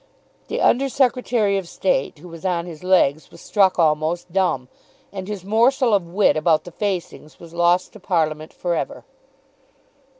The Under Secretary of State, who was on his legs, was struck almost dumb, and his morsel of wit about the facings was lost to Parliament for ever.